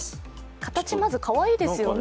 形、まずかわいいですよね。